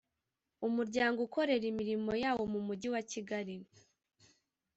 Umuryango ukorera imirimo yawo mu mujyi wakigali